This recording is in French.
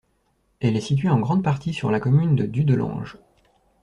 Elle est située en grande partie sur la commune de Dudelange.